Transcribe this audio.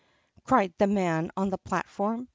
cried the man on the platform.